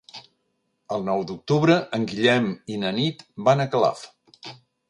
El nou d'octubre en Guillem i na Nit van a Calaf.